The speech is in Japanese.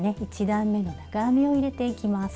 １段めの長編みを入れていきます。